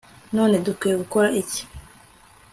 none dukwiye gukora iki